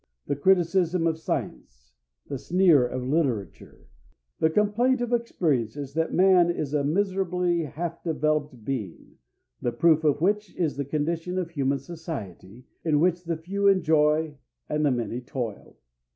The criticism of science, the sneer of literature, the complaint of experience is that man is a miserably half developed being, the proof of which is the condition of human society, in which the few enjoy and the many toil.